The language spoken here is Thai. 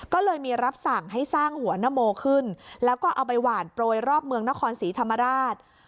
ก็เลยมีรับสั่งให้สร้างหัวนโมขึ้นแล้วก็เอาไปหวานโปรยรอบเมืองนครศรีธรรมราช